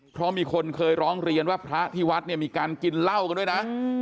เพราะมีคนเคยร้องเรียนว่าพระที่วัดเนี่ยมีการกินเหล้ากันด้วยนะ